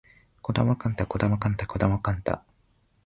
児玉幹太児玉幹太児玉幹太